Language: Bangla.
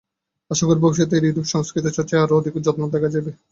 আশা করি, ভবিষ্যতে ইউরোপে সংস্কৃতচর্চায় আরও অধিক যত্ন দেখা যাইবে।